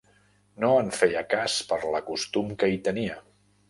No en feia cas per la costum que hi tenia.